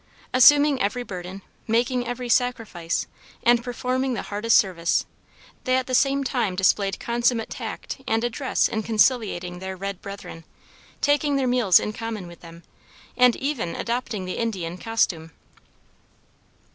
Assuming every burden, making every sacrifice, and performing the hardest service, they at the same time displayed consummate tact and address in conciliating their red brethren, taking their meals in common with them, and even adopting the Indian, costume.